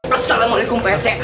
assalamualaikum pak rt